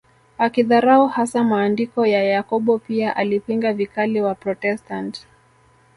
Akidharau hasa maandiko ya Yakobo pia alipinga vikali Waprotestant